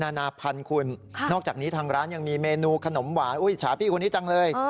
นานาพันธุ์คุณนอกจากนี้ทางร้านยังมีเมนูขนมหวานอุ้ยฉาพี่คนนี้จังเลย